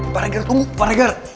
pak regar tunggu pak regar